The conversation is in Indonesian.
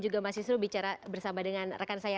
juga mas isrul bicara bersama dengan rekan saya